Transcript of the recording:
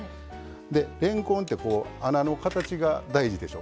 れんこんって、穴の形が大事でしょ。